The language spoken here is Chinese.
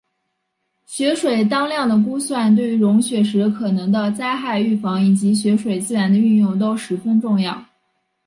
雪水当量的估算对于融雪时可能的灾害预防以及雪水资源的运用都十分重要。